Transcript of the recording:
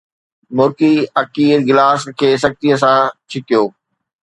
مرڪي اڪير گلاس کي سختيءَ سان ڇڪيو